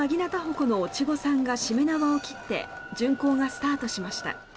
このお稚児さんがしめ縄を切って巡行がスタートしました。